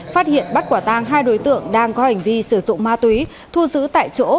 phát hiện bắt quả tang hai đối tượng đang có hành vi sử dụng ma túy thu giữ tại chỗ